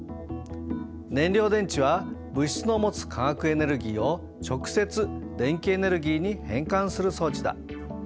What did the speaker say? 燃料電池は物質の持つ化学エネルギーを直接電気エネルギーに変換する装置だ。